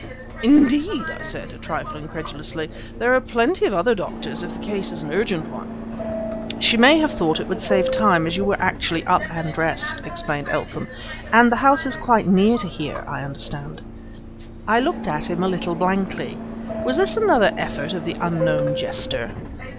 "Indeed!" I said, a trifle incredulously. "There are plenty of other doctors if the case is an urgent one." "She may have thought it would save time as you were actually up and dressed," explained Eltham; "and the house is quite near to here, I understand." I looked at him a little blankly. Was this another effort of the unknown jester?